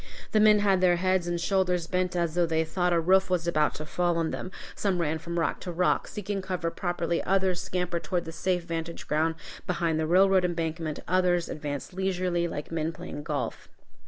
The men had their heads and shoulders bent as though they thought a roof was about to fall on them; some ran from rock to rock, seeking cover properly; others scampered toward the safe vantage ground behind the railroad embankment; others advanced leisurely, like men playing golf.